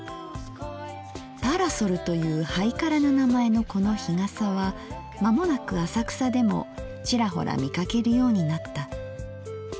パラソルというハイカラな名前のこの日傘は間もなく浅草でもチラホラ見かけるようになった。